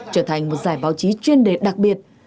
trở thành một giải báo chí chuyên đề đặc biệt